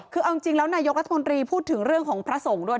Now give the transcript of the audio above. คือเอาจริงแล้วนายกรัฐมนตรีพูดถึงเรื่องของพระสงฆ์ด้วย